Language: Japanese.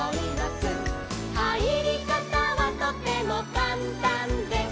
「はいりかたはとてもかんたんです」